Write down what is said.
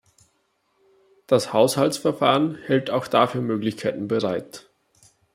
Das Haushaltsverfahren hält auch dafür Möglichkeiten bereit.